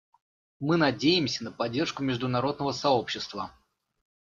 Мы надеемся на поддержку международного сообщества.